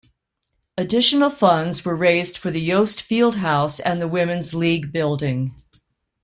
Additional funds were raised for the Yost Field House and the Women's League Building.